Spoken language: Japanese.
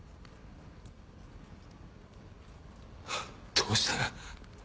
どうして。